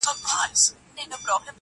د انصاف په تله خپل او پردي واړه,